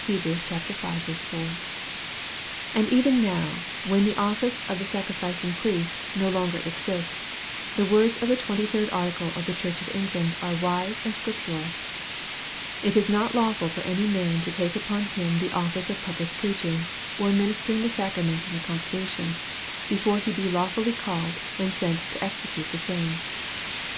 (Heb. v. 4.) And even now, when the office of the sac rificing priest no longer exists, the words of the twenty third Article of the Church of England are wise and scriptural :" It is not lawful for any man to take upon him the office of public preaching, or ministering the sacraments in the congregation, before he be lawfully called and sent to execute the same."